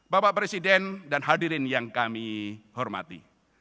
bapak presiden dan hadirin yang kami hormati